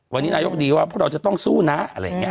วันนี้นายกดีว่าพวกเราจะต้องสู้นะอะไรอย่างนี้